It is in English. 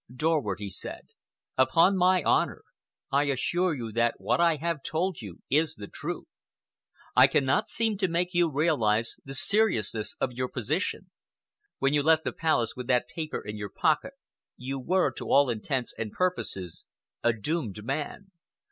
"Dorward," he said, "upon my honor, I assure you that what I have told you is the truth. I cannot seem to make you realize the seriousness of your position. When you left the Palace with that paper in your pocket, you were, to all intents and purposes, a doomed man.